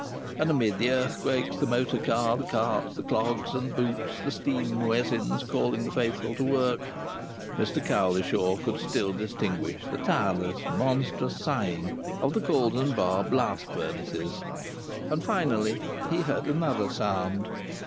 And amid the earthquakes, the motor car, the carts, the clogs and boots, and the steam muezzins calling the faithful to work, Mr Cowlishaw could still distinguish the tireless, monstrous sighing of the Cauldon Bar blast furnaces. And, finally, he heard another sound.